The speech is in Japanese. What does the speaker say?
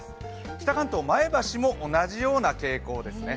北関東、前橋も同じような傾向ですね。